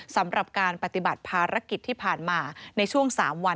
สำหรับการปฏิบัติภารกิจที่ผ่านมาในช่วง๓วัน